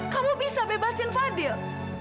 kamu bisa bebasin fadil